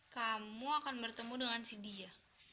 kamu akan bertemu dengan si dia